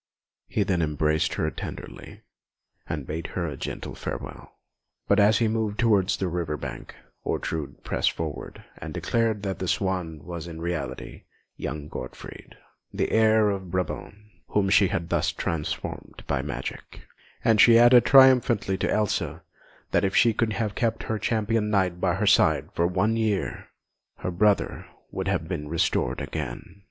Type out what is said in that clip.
He then embraced her tenderly, and bade her a gentle farewell. But as he moved towards the river bank, Ortrud pressed forward and declared that the swan was in reality young Gottfried, the heir of Brabant, whom she had thus transformed by her magic; and she added triumphantly to Elsa that if she could have kept her Champion Knight by her side for one year, her brother would have been restored again.